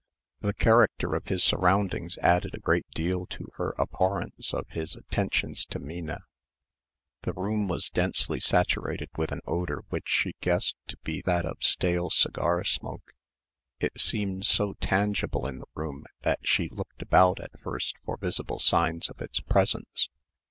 The character of his surroundings added a great deal to her abhorrence of his attentions to Minna. The room was densely saturated with an odour which she guessed to be that of stale cigar smoke. It seemed so tangible in the room that she looked about at first for visible signs of its presence.